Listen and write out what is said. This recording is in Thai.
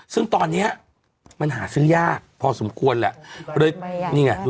ซึ่งตอนเนี้ยมันหาซื้อยากพอสมควรแหละเลยนี่ไง